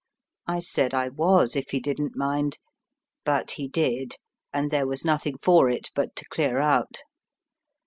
I said I was if he didn't mind; but he did, and there was nothing for it but to clear out.